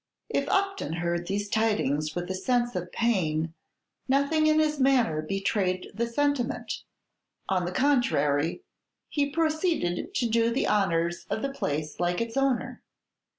If Upton heard these tidings with a sense of pain, nothing in his manner betrayed the sentiment; on the contrary, he proceeded to do the honors of the place like its owner.